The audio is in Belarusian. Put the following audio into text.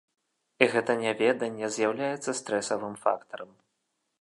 І гэта няведанне з'яўляецца стрэсавым фактарам.